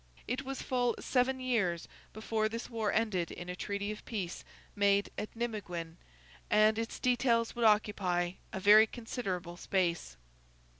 It was full seven years before this war ended in a treaty of peace made at Nimeguen, and its details would occupy a very considerable space.